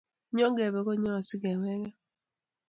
Nyon kebe kobyon asi kewegen